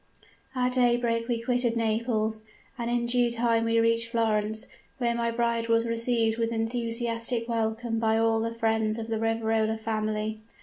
At daybreak we quitted Naples, and in due time we reached Florence, where my bride was received with enthusiastic welcome by all the friends of the Riverola family.